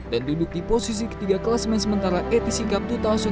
dan duduk di posisi ketiga kelas main sementara atc cup dua ribu sembilan belas